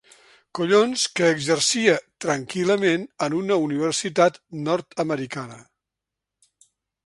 Collons que exercia tranquil·lament en una universitat nord-americana.